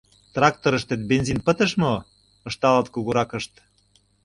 Тракторыштет бензин пытыш мо? — ышталыт кугуракышт.